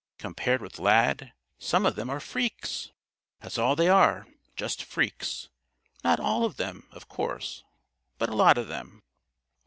Compared with Lad, some of them are freaks. That's all they are, just freaks not all of them, of course, but a lot of them."